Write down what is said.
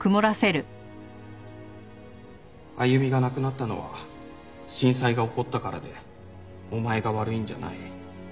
「あゆみが亡くなったのは震災が起こったからでお前が悪いんじゃない」。